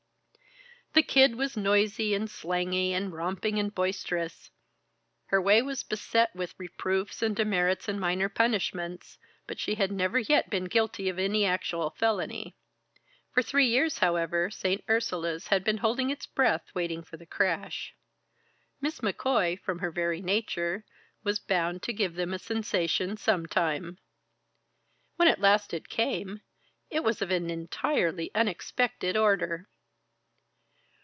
The Kid was noisy and slangy and romping and boisterous; her way was beset with reproofs and demerits and minor punishments, but she had never yet been guilty of any actual felony. For three years, however, St. Ursula's had been holding its breath waiting for the crash. Miss McCoy, from her very nature, was bound to give them a sensation sometime. When at last it came, it was of an entirely unexpected order.